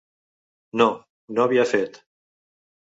No, no havia fet.